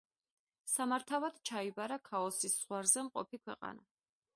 სამართავად ჩაიბარა ქაოსის ზღვარზე მყოფი ქვეყანა.